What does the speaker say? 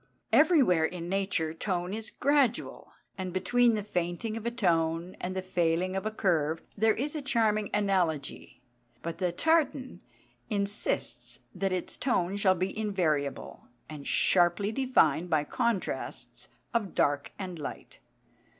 Everywhere in nature tone is gradual, and between the fainting of a tone and the failing of a curve there is a charming analogy. But the tartan insists that its tone shall be invariable, and sharply defined by contrasts of dark and light.